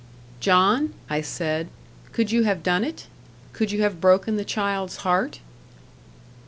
"John," I said, "could you have done it? could you have broken the child's heart?"